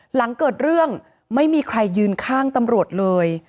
หลังเกิดเรื่องไม่มีใครยืนข้างตำรวจเลย